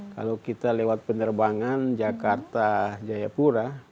kalau kita lewat penerbangan jakarta jayapura